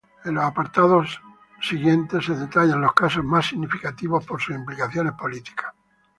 En los apartados siguientes se detallan los casos más significativos por sus implicaciones políticas.